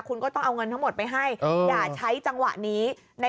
คุณก็ต้องเอาเงินทั้งหมดไปให้อย่าใช้จังหวะนี้